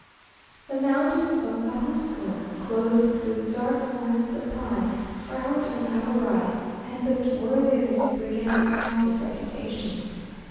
The mountain of Ajusco, clothed with dark forests of pine, frowned on our right, and looked worthy of its brigand haunted reputation.